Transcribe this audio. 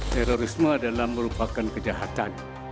terorisme adalah merupakan kejahatan